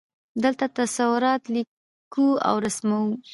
دلته تصورات لیکو او رسموو.